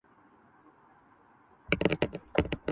تری طرح کوئی تیغِ نگہ کو آب تو دے